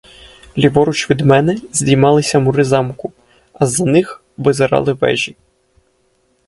Ліворуч від мене здіймалися мури замку, а з-за них визирали вежі.